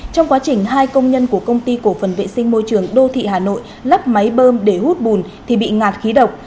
trong quá trình hai công nhân của công ty cổ phần vệ sinh môi trường đô thị hà nội lắp máy bơm để hút bùn thì bị ngạt khí độc